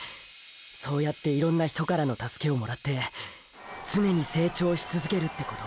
そうやっていろんな人からの助けをもらって常に成長し続けるってこと？